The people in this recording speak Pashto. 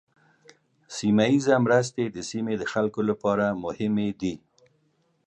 سیمه ایزه مرستې د سیمې د خلکو لپاره مهمې دي.